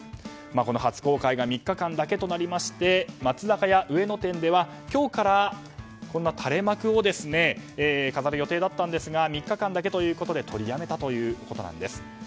この初公開が３日間だけとなりまして松坂屋上野店では今日からこんな垂れ幕を飾る予定だったんですが３日間だけということで取りやめたということです。